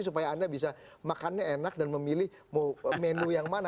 supaya anda bisa makannya enak dan memilih menu yang mana